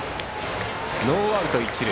ノーアウト一塁。